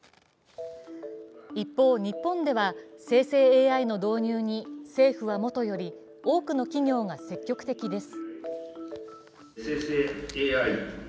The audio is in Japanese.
一方、日本では生成ＡＩの導入に政府はもとより多くの企業が積極的です。